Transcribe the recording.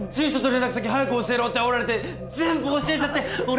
連絡先早く教えろってあおられて全部教えちゃって俺！